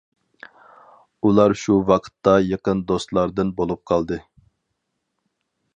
ئۇلار شۇ ۋاقىتتا يېقىن دوستلاردىن بولۇپ قالدى.